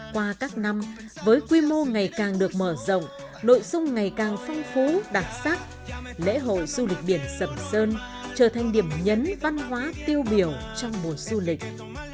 qua các năm với quy mô ngày càng được mở rộng nội dung ngày càng phong phú đặc sắc lễ hội du lịch biển sầm sơn trở thành điểm nhấn văn hóa tiêu biểu trong mùa du lịch